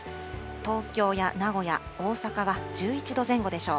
東京や名古屋、大阪は１１度前後でしょう。